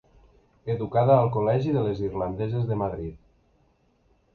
Educada al Col·legi de les Irlandeses de Madrid.